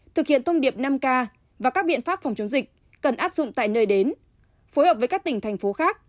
thực hiện thông điệp năm k và các biện pháp phòng chống dịch cần áp dụng tại nơi đến phối hợp với các tỉnh thành phố khác